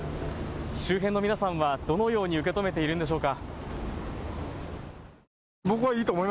周辺の皆さんはどのように受け止めているんでしょうか。